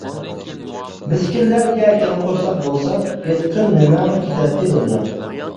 مىسكىنلەرگە كەڭ قورساق بولساڭ، ئېيتقىن نېمەڭ كېتەتتى دۇنيا.